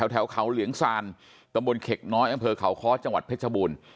แถวเขาเหลืองซานตรงบนเข็กน้อยอังเภอเขาคอทจังหวัดเพชรภูมิ